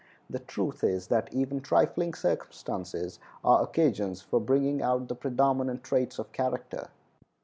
The truth is, that even trifling circumstances are the occasions for bringing out the predominant traits of character.